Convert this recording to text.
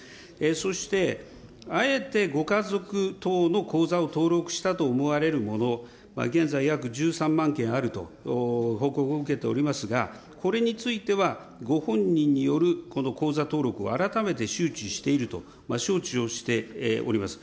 そしてあえてご家族等の口座を登録したと思われるもの、現在、約１３万件あると報告を受けておりますが、これについては、ご本人によるこの口座登録を改めて周知していると承知をしております。